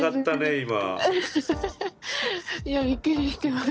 今びっくりしてます。